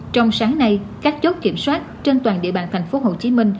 trong sáng nay các chốt kiểm soát trên toàn địa bàn tp hcm